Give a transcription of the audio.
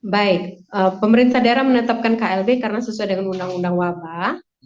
baik pemerintah daerah menetapkan klb karena sesuai dengan undang undang wabah